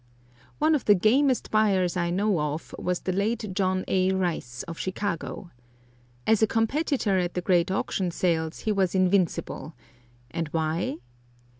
One of the gamest buyers I know of was the late John A. Rice of Chicago. As a competitor at the great auction sales he was invincible; and why?